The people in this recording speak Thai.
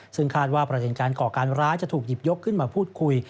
ซึ่งคาดว่าประเด็นการก่อการร้ายจะถูกหยิบยกขึ้นมาพูดคุย